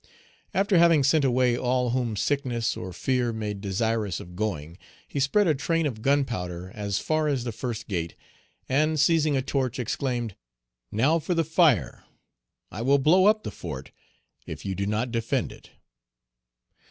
After having sent away all whom sickness or fear made desirous of going, he spread a train of gunpowder as far as the first gate, and, seizing a torch, exclaimed, "Now for the first fire; I will blow up the fort; if you do not defend it."